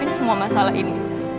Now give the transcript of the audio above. hidupin semua masalah ini